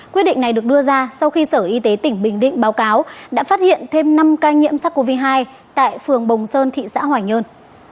quyết định này được đưa ra sau khi sở y tế tỉnh bình định báo cáo đã phát hiện thêm năm ca nhiễm sars cov hai tại phường bồng sơn thị xã hoài nhơn